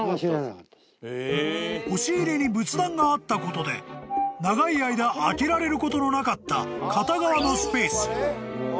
［押し入れに仏壇があったことで長い間開けられることのなかった片側のスペース］